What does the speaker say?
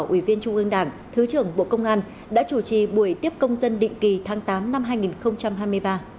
ủy viên trung ương đảng thứ trưởng bộ công an đã chủ trì buổi tiếp công dân định kỳ tháng tám năm hai nghìn hai mươi ba